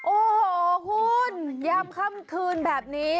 โอ้โหคุณยามค่ำคืนแบบนี้